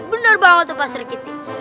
bener banget tuh pak sri kitty